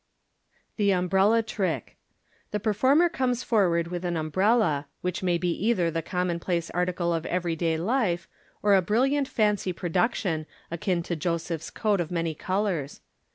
The Umbrella Trick. — The performer comes forward with an umbrella, which may be either the common place article of every day life, or a brilliant fancy production, akin to Joseph's coat of many colours.